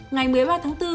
ngày một mươi ba tháng bốn